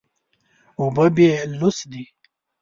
اوبه بېلوث دي.